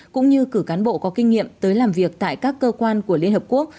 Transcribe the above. cũng như cử cán bộ có kinh nghiệm tới làm việc tại các cơ quan của liên hợp quốc